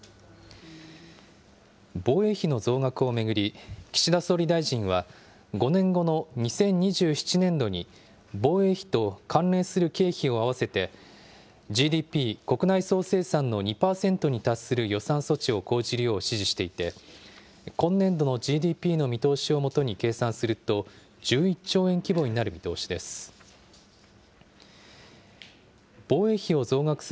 防衛費の増額を巡り、岸田総理大臣は５年後の２０２７年度に防衛費と関連する経費を合わせてＧＤＰ・国内総生産の２％に達する予算措置を講じるよう指示していて、今年度のＧＤＰの見通しをもとに計算すると、１１兆円規模になる見通しです。